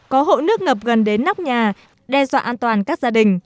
có hộ nước ngập gần đến nóc nhà đe dọa an toàn các gia đình